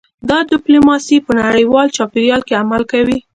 دا ډیپلوماسي په نړیوال چاپیریال کې عمل کوي